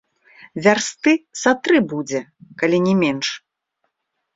Вярсты са тры будзе, калі не менш.